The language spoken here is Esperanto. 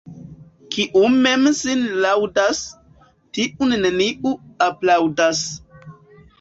Kiu mem sin laŭdas, tiun neniu aplaŭdas.